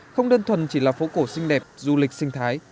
không đơn thuần chỉ là phố cổ xinh đẹp du lịch sinh thái